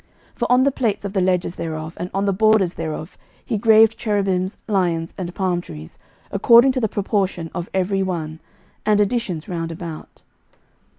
11:007:036 For on the plates of the ledges thereof, and on the borders thereof, he graved cherubims, lions, and palm trees, according to the proportion of every one, and additions round about.